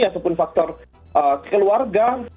ataupun faktor keluarga